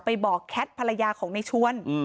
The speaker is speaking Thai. ไปบอกแคทภรรยาของในชวน